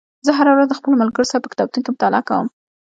زه هره ورځ د خپلو ملګرو سره په کتابتون کې مطالعه کوم